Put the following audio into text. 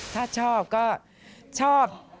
ถ้าชอบก็ชอบ